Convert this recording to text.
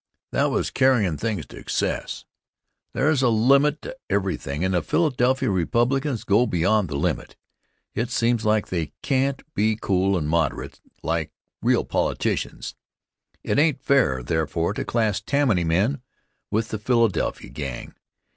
That was carryin' things to excess. There's a limit to everything, and the Philadelphia Republicans go beyond the limit. It seems like they can't be cool and moderate like real politicians. It ain't fair, therefore, to class Tammany men with the Philadelphia gang.